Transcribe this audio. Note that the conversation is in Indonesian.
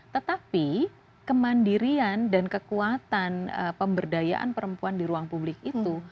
tetapi kemandirian dan kekuatan pemberdayaan perempuan di ruang publik itu